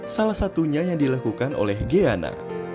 salah satunya yang dilakukan oleh giana